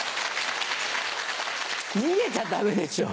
逃げちゃダメでしょう。